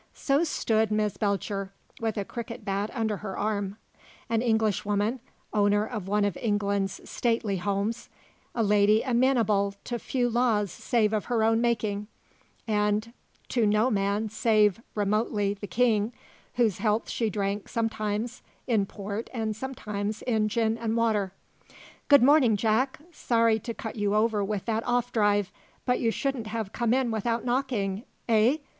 So stood Miss Belcher, with a cricket bat under her arm; an Englishwoman, owner of one of England's "stately homes"; a lady amenable to few laws save of her own making, and to no man save remotely the King, whose health she drank sometimes in port and sometimes in gin and water. "Good morning, Jack! Sorry to cut you over with that off drive; but you shouldn't have come in without knocking. Eh?